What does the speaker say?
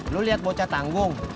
lu liat bocah tanggung